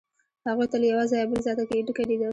هغوی تل له یوه ځایه بل ځای ته کډېدل.